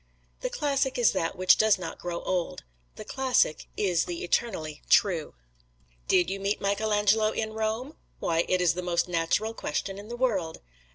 The classic is that which does not grow old the classic is the eternally true. "Did you meet Michelangelo in Rome?" Why, it is the most natural question in the world!